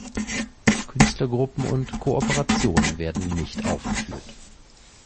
Künstlergruppen und -kooperationen werden nicht aufgeführt.